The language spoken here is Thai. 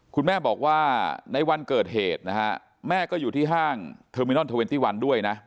คุณแม่บอกว่าในวันเกิดเหตุนะฮะแม่ก็อยู่ที่ห้างเทอร์มินอล๒๑ด้วยนะ